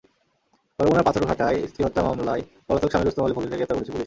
বরগুনার পাথরঘাটায় স্ত্রী হত্যা মামলায় পলাতক স্বামী রুস্তম আলী ফকিরকে গ্রেপ্তার করেছে পুলিশ।